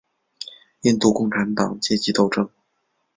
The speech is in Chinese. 印度共产党阶级斗争。